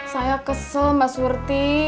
saya kesel mbak surti